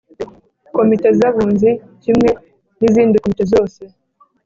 Komite z Abunzi kimwe n izindikomite zose